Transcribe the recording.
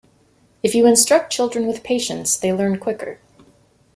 If you instruct children with patience, they learn quicker.